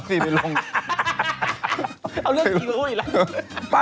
ไปแล้วนะ